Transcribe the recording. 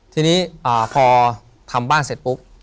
ทีนี้พอทำบ้านเสร็จปุ๊บ